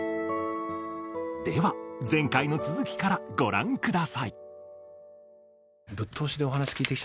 では前回の続きからご覧ください。